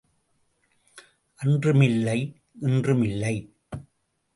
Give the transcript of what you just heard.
அன்றும் இல்லை இன்றும் இல்லை.